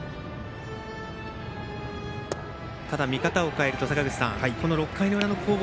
ただ、見方を変えるとこの６回裏の攻防